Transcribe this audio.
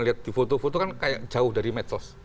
lihat di foto foto kan kayak jauh dari medsos